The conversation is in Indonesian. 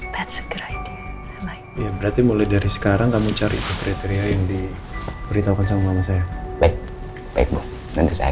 berarti mulai dari sekarang kamu cari kriteria yang diberitakan sama saya baik baik nanti saya